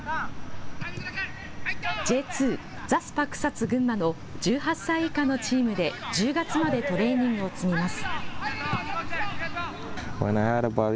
Ｊ２、ザスパクサツ群馬の１８歳以下のチームで１０月までトレーニングを積みます。